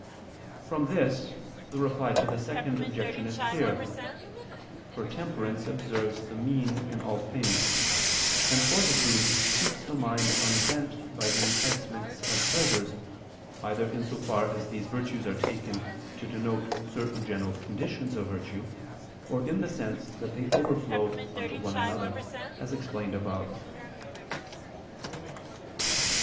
From this the Reply to the Second Objection is clear. For temperance observes the mean in all things, and fortitude keeps the mind unbent by the enticements of pleasures, either in so far as these virtues are taken to denote certain general conditions of virtue, or in the sense that they overflow on to one another, as explained above.